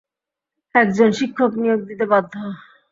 একজন শিক্ষক নিয়োগ দিতে বাধ্য।